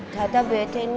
tata bete nih kalo misalnya